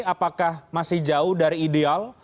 apakah masih jauh dari ideal